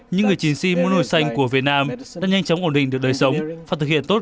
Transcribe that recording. những người chiến sĩ mũ nổi xanh của việt nam đã nhanh chóng ổn định được đời sống và thực hiện tốt